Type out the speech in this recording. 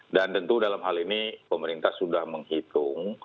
dan tentu dalam hal ini pemerintah sudah menghitung